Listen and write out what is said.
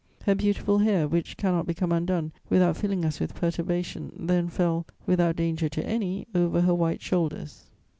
Her beautiful hair, which cannot become undone without filling us with perturbation, then fell, without danger to any, over her white shoulders.